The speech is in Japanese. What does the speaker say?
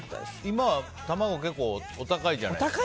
今、卵結構お高いじゃないですか。